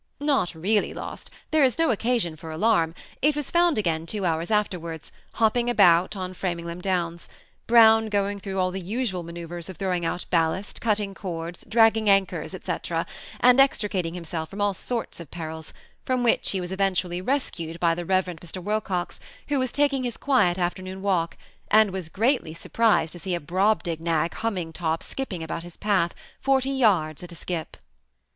Not really lost: there is no occasion for alarm ; it was found again two hours after wards, hopping about on Framlingham Downs ; Brown going through all the usual manoeuvres of throwing out ballast, cutting cords, dragging anchors, &c., and extri cating himself from all sorts of perils, from which he was eventually rescued by the Rev. Mr. "Wilcox, who was taking his quiet afternoon walk, and was greatly surprised to see a Brobdignag humming top skipping about his path, forty yards at a skip.